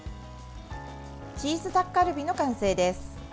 チーズタッカルビの完成です。